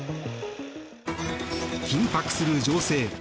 緊迫する情勢。